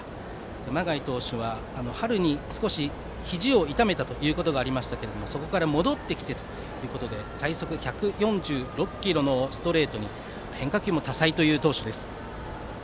熊谷投手は春に少しひじを痛めたことがありましたがそこから戻ってきてということで最速１４６キロのストレートに変化球も多彩な投手です。